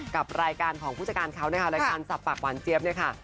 กับรายการของผู้จัดการเขานะคะรายการสับปากหวานเจี๊ยบเนี่ยค่ะ